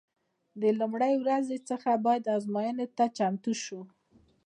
د لومړۍ ورځې څخه باید ازموینې ته چمتو شو.